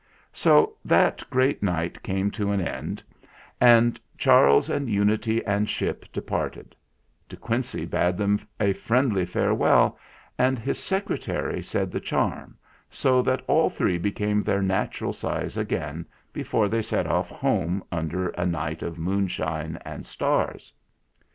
So that great night came to an end, and THE SAD STRANGER 159 Charles and Unity and Ship departed; De Quincey bade them a friendly farewell, and his Secretary said the charm, so that all three became their natural size again before they set off home under a night of moonshine and stars.